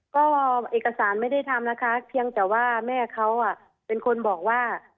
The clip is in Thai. ก็เอกสารไม่ได้ทำนะคะเพียงแต่ว่าแม่เขาเป็นคนบอกว่า